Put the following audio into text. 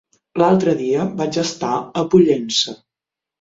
L'altre dia vaig estar a Pollença.